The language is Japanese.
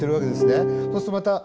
そうするとまた。